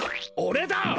おれだ！